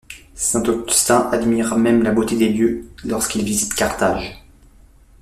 Saint Augustin admire même la beauté des lieux lorsqu'il visite Carthage.